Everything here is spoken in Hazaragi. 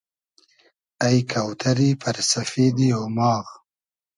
اݷ کۆتئری پئر سئفیدی اۉماغ